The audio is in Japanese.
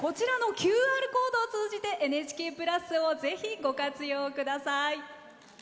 ＱＲコードを通じて「ＮＨＫプラス」をぜひご活用ください。